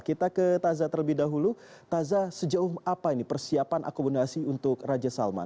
kita ke tazah terlebih dahulu taza sejauh apa ini persiapan akomodasi untuk raja salman